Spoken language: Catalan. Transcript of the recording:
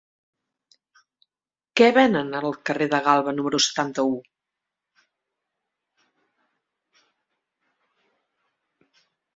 Què venen al carrer de Galba número setanta-u?